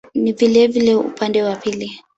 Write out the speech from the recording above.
Ni vilevile upande wa pili.